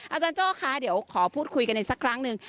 อาจารย์โจ้คะเดี๋ยวขอพูดคุยกันอีกสักครั้งหนึ่ง